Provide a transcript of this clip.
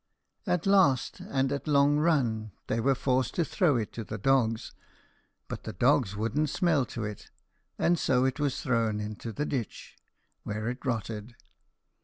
At last and at long run they were forced to throw it to the dogs, but the dogs wouldn't smell to it, and so it was thrown into the ditch, where it rotted.